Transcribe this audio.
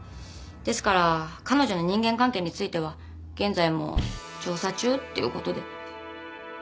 ですから彼女の人間関係については現在も調査中っていうことで。